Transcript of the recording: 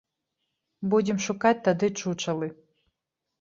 Будзем шукаць тады чучалы.